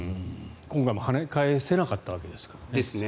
今回も跳ね返せなかったわけですからね。